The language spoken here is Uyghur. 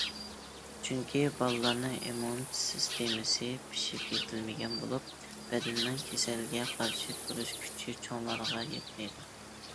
چۈنكى بالىلارنىڭ ئىممۇنىتېت سىستېمىسى پىشىپ يېتىلمىگەن بولۇپ، بەدىنىنىڭ كېسەلگە قارشى تۇرۇش كۈچى چوڭلارغا يەتمەيدۇ.